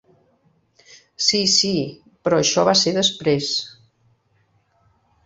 Sí, sí, però això va ser després.